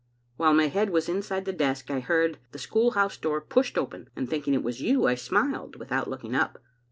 While my head was inside the desk I heard the school house door pushed open, and thinking it was you I smiled, without looking up.